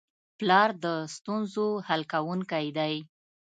پلار د ستونزو حل کوونکی دی.